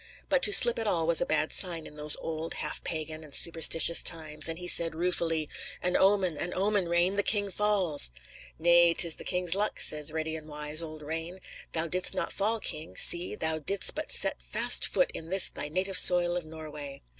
But to slip at all was a bad sign in those old, half pagan, and superstitious times, and he said, ruefully: "An omen; an omen, Rane! The king falls!" "Nay,'tis the king's luck," says ready and wise old Rane. "Thou didst not fall, king. See; thou didst but set fast foot in this thy native soil of Norway."